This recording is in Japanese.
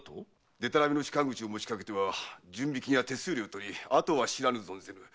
でたらめの仕官口を持ちかけては準備金を取り後は知らぬ存ぜぬ。